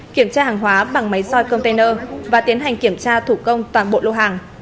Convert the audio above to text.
kiểm tra hàng hóa bằng máy soi container và tiến hành kiểm tra thủ công toàn bộ lô hàng